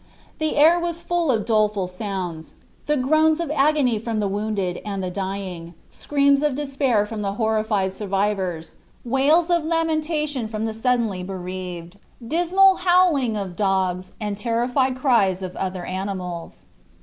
The air was full of doleful sounds the groans of agony from the wounded and the dying, screams of despair from the horrified survivors, wails of lamentation from the suddenly bereaved, dismal howlings of dogs, and terrified cries of other animals.